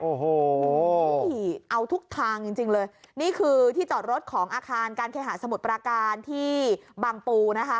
โอ้โหเอาทุกทางจริงจริงเลยนี่คือที่จอดรถของอาคารการเคหาสมุทรปราการที่บางปูนะคะ